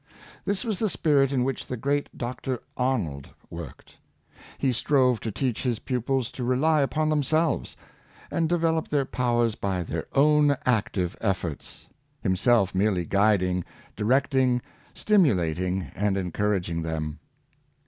This was the spirit in which the great Dr. Arnold worked ; he strove to teach his pupils to rely upon themselves, and develop their powers by their own active efforts, himself merely guiding, direct ing, stimulating, and encouraging them.